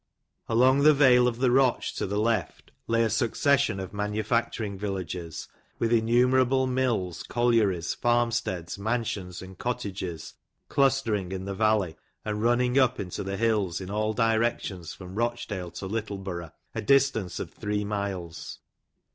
Along the vale of the Eoch, to the left, lay a succession of manufacturing villages, with innumerable mills, collieries, farmsteads, mansions, and cottages, clustering in the valley, and running up into the hills in all directions, from Rochdale to Littleborough, a distance of three miles.